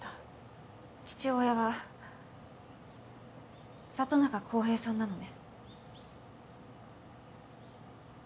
父親は里中浩平さんなのね？